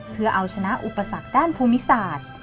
เพื่อเอาชนะอุปสรรคด้านภูมิศาสตร์